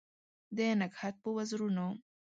د نګهت په وزرونو